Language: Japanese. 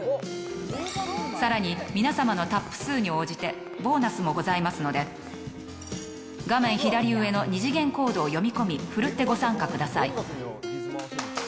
さらに皆さまのタップ数に応じてボーナスもございますので画面左上の二次元コードを読み込み奮ってご参加ください。